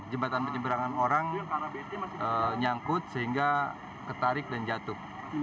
jembatan penyeberangan orang nyangkut sehingga ketarik dan jatuh